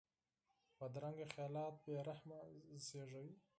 بدرنګه خیالات بې رحمي زېږوي